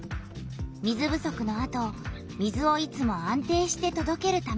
水不足のあと水をいつも安定してとどけるためにつくられた。